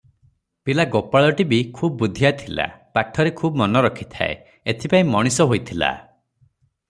ପିଲା ଗୋପାଳଟି ବି ଖୁବ୍ ବୁଦ୍ଧିଆ ଥିଲା; ପାଠରେ ଖୁବ୍ ମନ ରଖିଥାଏ, ଏଥିପାଇଁ ମଣିଷ ହୋଇଥିଲା ।